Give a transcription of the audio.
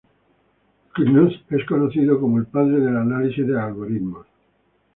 Knuth es conocido como el "padre del análisis de algoritmos".